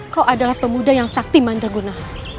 kau adalah pemuda yang saktiman dan guna